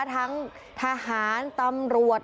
ทั้งทหารตำรวจ